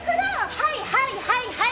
はいはいはいはい！